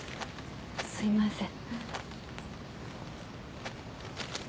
すいません。